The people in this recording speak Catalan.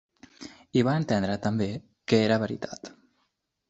I va entendre també que era veritat.